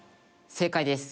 正解です！